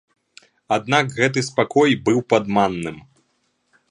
Аднак гэты спакой быў падманным.